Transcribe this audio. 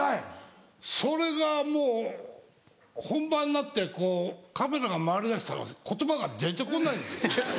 それがもう本番になってカメラが回りだしたら言葉が出て来ないんです。